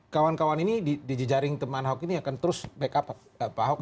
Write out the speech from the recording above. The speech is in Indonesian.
kawan kawan ini di jejaring teman ahok ini akan terus backup pak ahok